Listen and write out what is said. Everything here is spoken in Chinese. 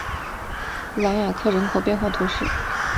朗雅克人口变化图示